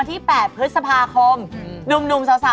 นักพิยากรดวงชะตา